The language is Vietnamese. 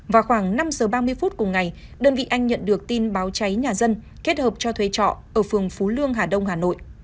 vào khoảng năm giờ ba mươi phút cùng ngày đơn vị anh nhận được tin báo cháy nhà dân kết hợp cho thuê trọ ở phường phú lương hà đông hà nội